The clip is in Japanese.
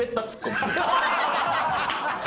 ハハハハ！